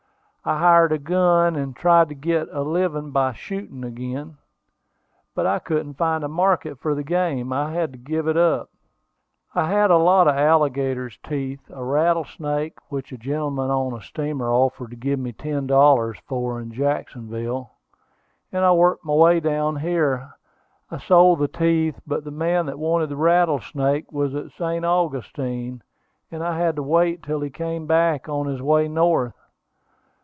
I hired a gun, and tried to get a living by shooting again; but I couldn't find a market for the game. I had to give it up. "I had a lot of alligators' teeth, a rattlesnake, which a gentleman on a steamer offered to give me ten dollars for in Jacksonville, and I worked my way down here. I sold the teeth; but the man that wanted the rattlesnake was at St. Augustine, and I had to wait till he came back, on his way north.